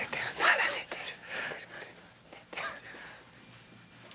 まだ寝てる。